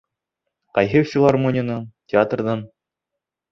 Ҡайһы филармониянан, театрҙан?